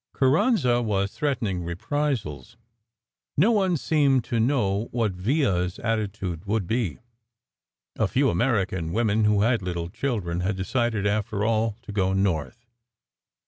Carranza was threatening re prisals; no one seemed to know what Villa s attitude would be. A few American women who had little children had decided after all to go north.